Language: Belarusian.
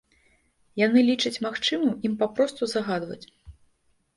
Яны лічаць магчымым ім папросту загадваць.